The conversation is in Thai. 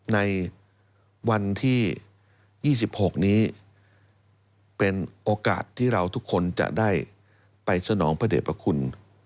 ในวันที่๒๖นี้เป็นโอกาสที่เราทุกคนจะได้ไปสนองพระเด็จพระคุณ